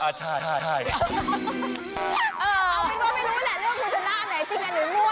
เอาเป็นว่าไม่รู้แหละเรื่องคุณชนะอันไหนจริงอันไหนรั่ว